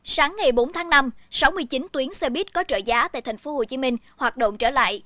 sáng ngày bốn tháng năm sáu mươi chín tuyến xe buýt có trợ giá tại tp hcm hoạt động trở lại